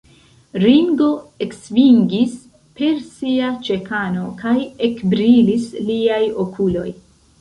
Ringo eksvingis per sia ĉekano, kaj ekbrilis liaj okuloj.